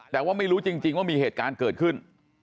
แต่ว่าไม่รู้จริงว่ามีเหตุการณ์เกิดขึ้น